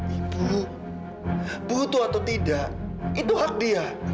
ibu butuh atau tidak itu hak dia